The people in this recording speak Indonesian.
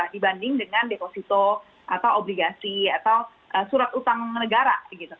dibanding dengan deposito atau obligasi atau surat utang negara